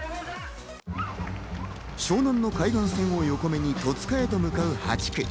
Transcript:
湘南の海岸線を横目に戸塚へと向かう８区。